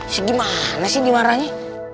se gimana sih dia marahnya